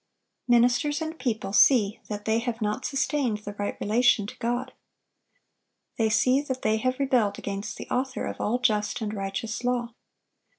(1134) Ministers and people see that they have not sustained the right relation to God. They see that they have rebelled against the Author of all just and righteous law.